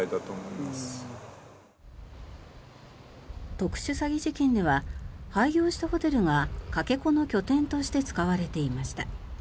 特殊詐欺事件では廃業したホテルがかけ子の拠点として使われていました。